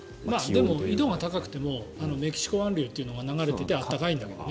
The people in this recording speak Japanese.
でも緯度が高くてもメキシコ湾流っていうのが流れていて、暖かいんだから。